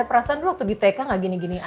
perasaan dulu waktu di tk gak gini gini